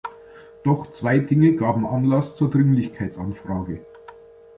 Doch zwei Dinge gaben Anlass zur Dringlichkeitsanfrage.